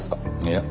いや。